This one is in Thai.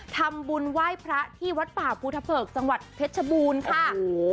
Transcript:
ทำบุญไหว้พระที่วัดป่าภูทะเผิกจังหวัดเพชรชบูรณ์ค่ะโอ้โห